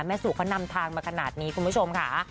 สู่เขานำทางมาขนาดนี้คุณผู้ชมค่ะ